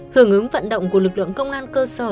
hưởng ứng vận động của lực lượng công an cơ sở